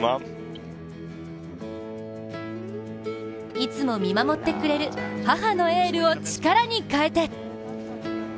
いつも見守ってくれる母のエールを力に変えて。